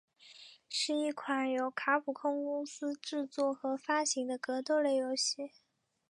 是一款由卡普空公司制作和发行的格斗类游戏。